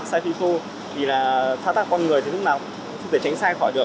size phi thô thì là thao tác con người thì lúc nào cũng có thể tránh sai khỏi được